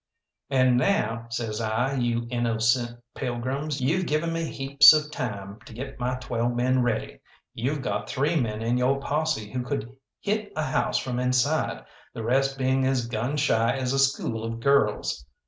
"And now," says I, "you innocent pilgrims, you've given me heaps of time to get my twelve men ready. You've got three men in yo' posse who could hit a house from inside, the rest being as gun shy as a school of girls.